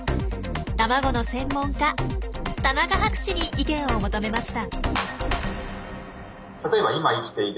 卵の専門家田中博士に意見を求めました。